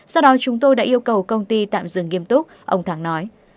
sau đó chúng tôi đã yêu cầu công ty tạm dừng nghiêm túc ông thắng nói